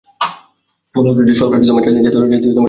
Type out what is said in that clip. ফলশ্রুতিতে সরকার জাতীয় রক্ষীবাহিনী গঠন করে।